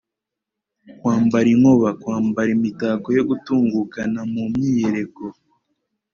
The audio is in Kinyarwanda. kwambara inkoba: kwambara imitako yo gutungukana mu myiyereko